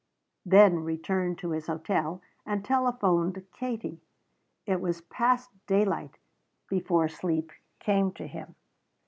Then returned to his hotel and telephoned Katie. It was past daylight before sleep came to him.